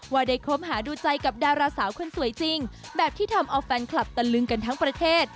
ว่าได้คบหาดูใจกับดาราสาวคนสวยจริงแบบที่ทำเอาแฟนคลับตะลึงกันทั้งประเทศ